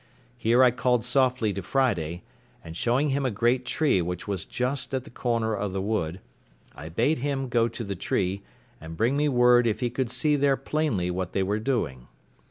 Here I called softly to Friday, and showing him a great tree which was just at the corner of the wood, I bade him go to the tree, and bring me word if he could see there plainly what they were doing.